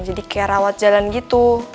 jadi kayak rawat jalan gitu